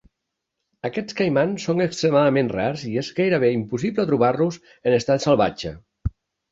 Aquests caimans són extremadament rars i és gairebé impossible trobar-los en estat salvatge.